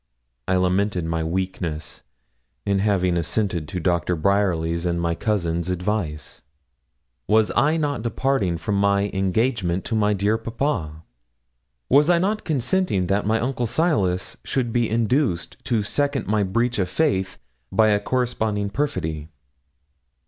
I lamented my weakness in having assented to Doctor Bryerly's and my cousin's advice. Was I not departing from my engagement to my dear papa? Was I not consenting that my Uncle Silas should be induced to second my breach of faith by a corresponding perfidy?